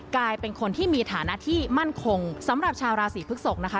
กลายเป็นคนที่มีฐานะที่มั่นคงสำหรับชาวราศีพฤกษกนะคะ